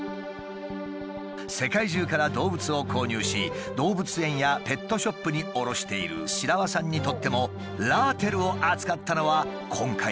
世界中から動物を購入し動物園やペットショップに卸している白輪さんにとってもラーテルを扱ったのは今回が初めてだという。